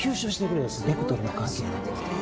ベクトルの関係で。